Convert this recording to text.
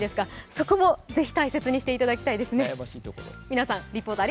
そこもぜひ大切にしていただきたいですね。